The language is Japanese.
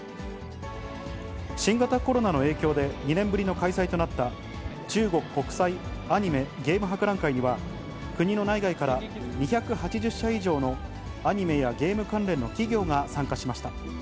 新型コロナの影響で２年ぶりの開催となった、中国国際アニメ・ゲーム博覧会は、国の内外から２８０社以上のアニメやゲーム関連の企業が参加しました。